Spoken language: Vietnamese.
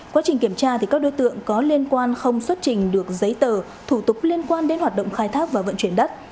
quá trình kiểm tra các đối tượng có liên quan không xuất trình được giấy tờ thủ tục liên quan đến hoạt động khai thác và vận chuyển đất